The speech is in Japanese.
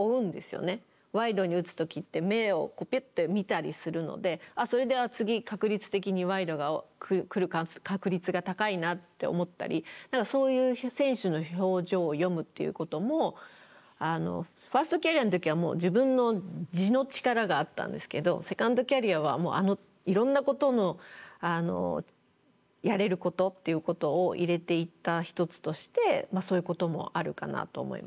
ワイドに打つ時って目をピュッて見たりするのでそれで次確率的にワイドが来る確率が高いなって思ったりそういう選手の表情を読むっていうこともファーストキャリアの時は自分の地の力があったんですけどセカンドキャリアはいろんなことのやれることっていうことを入れていった一つとしてそういうこともあるかなと思いますね。